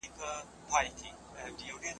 چي د ظلم او استبداد څخه یې